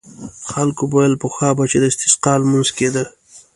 خلکو به ویل پخوا به چې د استسقا لمونځ کېده.